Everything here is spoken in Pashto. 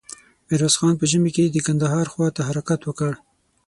ميرويس خان په ژمې کې د کندهار خواته حرکت وکړ.